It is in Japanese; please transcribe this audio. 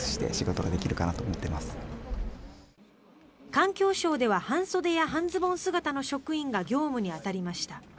環境省では半袖や半ズボン姿の職員が業務に当たりました。